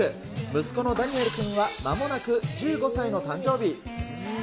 息子のダニエル君はまもなく１５歳の誕生日。